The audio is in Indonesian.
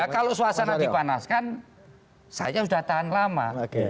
kalau suasana dipanaskan saya sudah tahan lama